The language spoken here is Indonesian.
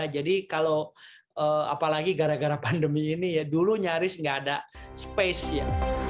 jadi kalau apalagi gara gara pandemi ini dulu nyaris nggak ada space